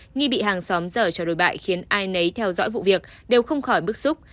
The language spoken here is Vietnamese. nghi bị hàng xóm dở cho đồi bại khiến ai nấy theo dõi vụ việc đều không khỏi bức xúc